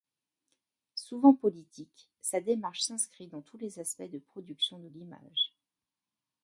Souvent politiques, sa démarche s’inscrit dans tous les aspects de production de l’image.